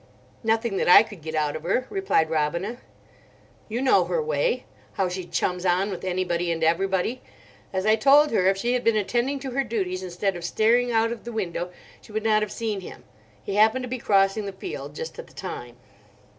"Nothing that I could get out of her," replied Robina; "you know her way—how she chums on with anybody and everybody. As I told her, if she had been attending to her duties instead of staring out of the window, she would not have seen him. He happened to be crossing the field just at the time."